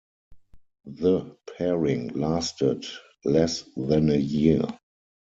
The pairing lasted less than a year.